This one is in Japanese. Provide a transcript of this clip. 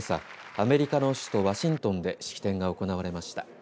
アメリカの首都ワシントンで式典が行われました。